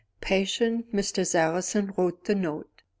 Patient Mr. Sarrazin wrote the note.